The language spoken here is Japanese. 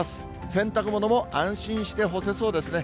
洗濯物も安心して干せそうですね。